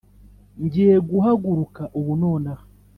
Ngiye guhaguruka ubu nonaha,